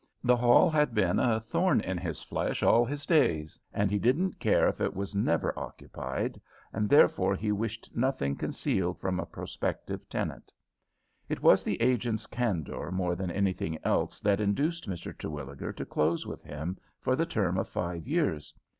The hall had been a thorn in his flesh all his days, and he didn't care if it was never occupied, and therefore he wished nothing concealed from a prospective tenant. It was the agent's candor more than anything else that induced Mr. Terwilliger to close with him for the term of five years.